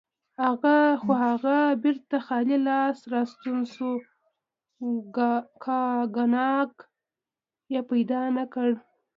خو هغه بیرته خالي لاس راستون شو، کاګناک یې پیدا نه کړ.